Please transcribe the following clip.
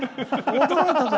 驚いたぜ！